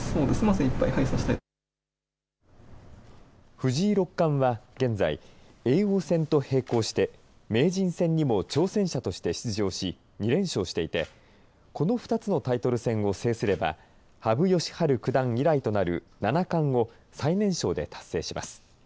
藤井六冠は、現在叡王戦と並行して名人戦にも挑戦者として出場し２連勝していてこの２つのタイトル戦を制すれば羽生善治九段以来となる七冠を最年少で達成します。